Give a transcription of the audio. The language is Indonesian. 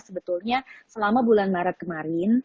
sebetulnya selama bulan maret kemarin